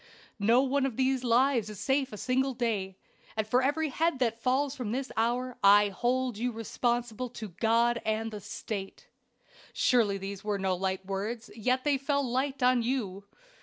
No one of these lives is safe a single day; and for every head that falls from this hour I hold you responsible to God and the State.' "Surely these were no light words, yet they fell light on you.